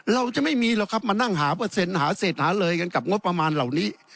เราจะไม่มีหรอกครับมานั่งหาเปอร์เซ็นต์หาเศษหาเลยกันกับงบประมาณเหล่านี้